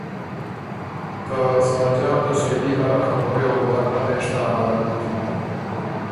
ته خاجان ته سېلي اره خبُرئ یه وه بر پنېشته امَرک بُکِن۔